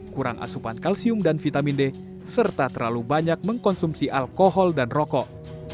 kurang asupan kalsium dan vitamin d serta terlalu banyak mengkonsumsi alkohol dan rokok